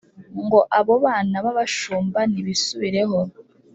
Ngo abo bana b’abashumba nibisubireho